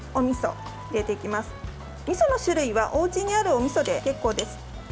みその種類はおうちにあるおみそで結構です。